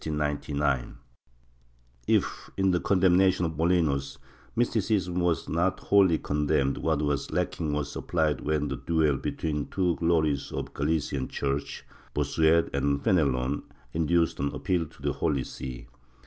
^ If, in the condemnation of Molinos, Mysticism was not wholly condemned, what was lacking was supplied when the duel between the two glories of the Galilean Church — Bossuet and Fenelon — induced an appeal to the Holy See.